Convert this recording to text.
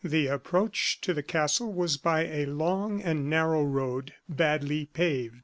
The approach to the castle was by a long and narrow road, badly paved.